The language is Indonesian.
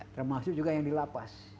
termasuk juga yang dilapas